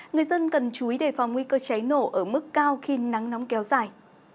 người dân cần chú ý đề phòng nguy cơ cháy nổ ở mức cao khi nắng nóng kéo dài